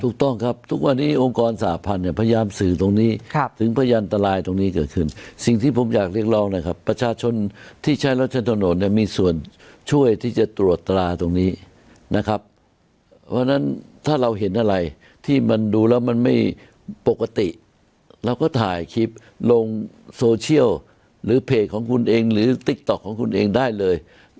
ถูกต้องครับทุกวันนี้องค์กรสหพันธ์เนี่ยพยายามสื่อตรงนี้ถึงพยานตรายตรงนี้เกิดขึ้นสิ่งที่ผมอยากเรียกร้องนะครับประชาชนที่ใช้รถใช้ถนนเนี่ยมีส่วนช่วยที่จะตรวจตราตรงนี้นะครับเพราะฉะนั้นถ้าเราเห็นอะไรที่มันดูแล้วมันไม่ปกติเราก็ถ่ายคลิปลงโซเชียลหรือเพจของคุณเองหรือติ๊กต๊อกของคุณเองได้เลย